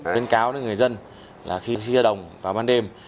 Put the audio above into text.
tuyên cáo đến người dân là khi xuyên ra đồng vào ban đêm